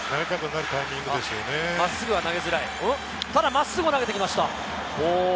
ただ真っすぐを投げてきました。